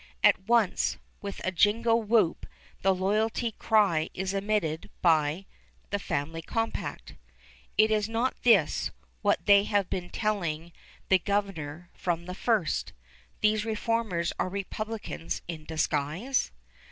At once, with a jingo whoop, the loyalty cry is emitted by "the family compact." Is not this what they have been telling the Governor from the first, these reformers are republicans in disguise?